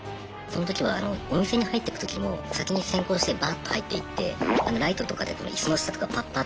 その時はあのお店に入ってく時も先に先行してバッと入っていってライトとかで椅子の下とかパッパ